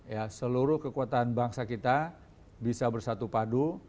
ya seluruh kekuatan bangsa kita bisa bersatu padu